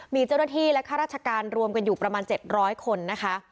มีเจ้าหน้าที่และข้าราชการรวมกันอยู่ประมาณ๗๐๐คนนะคะ